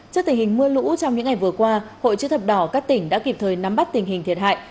trước tình hình mưa lũ trong những ngày vừa qua hội chữ thập đỏ các tỉnh đã kịp thời nắm bắt tình hình thiệt hại